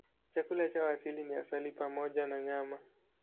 Chakula chao asili ni asali pamoja na nyama.